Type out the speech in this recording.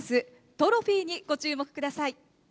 トロフィーにご注目ください。